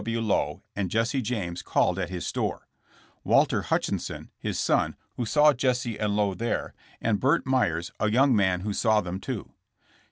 W. Lowe and Jesse James called at his store; Walter Hutchinson, his son, who saw Jesse and Lowe there, and Burt Meyers, a young man who saw them, too.